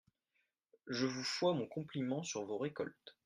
Je vous fois mon compliment sur vos récoltes.